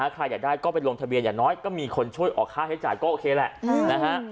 ใครอยากได้ก็ไปลงทะเบียนอย่างน้อยก็มีคนช่วยออกค่าใช้จ่ายก็โอเคแหละนะฮะ